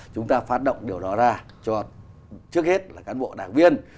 chúng ta phát động điều đó ra cho trước hết là cán bộ đảng viên